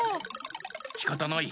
しかたない。